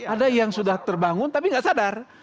ada yang sudah terbangun tapi nggak sadar